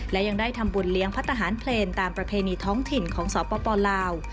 และยังได้ทำบุญเลี้ยงพระทหารเพลงตามประเพณีท้องถิ่นของสปลาว